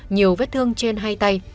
nhiều vết thương trên hai tay